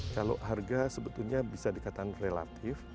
kalau harga sebetulnya bisa dikatakan relatif